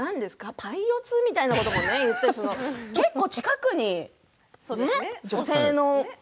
パイオツみたいなことも言ったり結構近くにね、女性の。